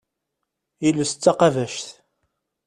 Iles d taqabact.